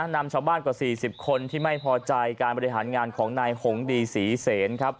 นำชาวบ้านกว่า๔๐คนที่ไม่พอใจการบริหารงานของนายหงดีศรีเสนครับ